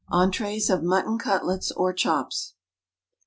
ENTRÉES OF MUTTON CUTLETS OR CHOPS.